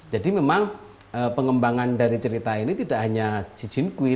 jadi memang pengembangan dari cerita ini tidak hanya si jinkui